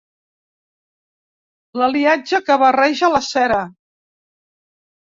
L'aliatge que barreja la cera.